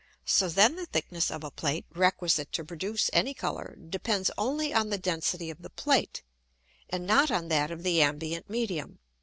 So then the thickness of a Plate requisite to produce any Colour, depends only on the density of the Plate, and not on that of the ambient Medium.